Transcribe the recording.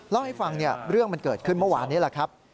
เล่าให้ฟังเรื่องมันเกิดขึ้นเมื่อวานนี้แหละครับ